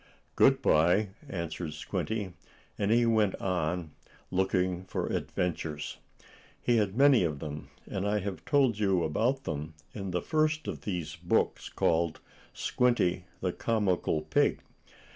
"Good bye," answered Squinty, and he went on, looking for adventures. He had many of them, and I have told you about them in the first of these books, called "Squinty, the Comical Pig."